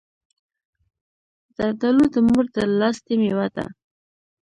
زردالو د مور د لاستی مېوه ده.